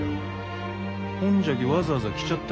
ほんじゃきわざわざ来ちゃったがじゃ。